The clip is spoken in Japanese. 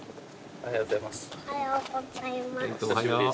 おはようございます。